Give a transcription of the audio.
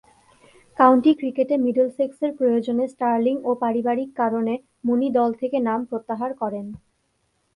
County ক্রিকেটে মিডলসেক্সের প্রয়োজনে স্টার্লিং ও পারিবারিক কারণে মুনি দল থেকে নাম প্রত্যাহার করেন।